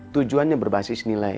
tujuannya berbasis nilai